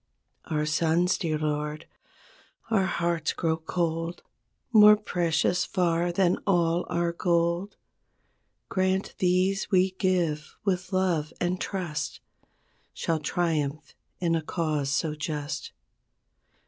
Our sons, dear Lord, our hearts grow cold More precious far than all our gold. Grant these we give with love and trust Shall triumph in a cause so just.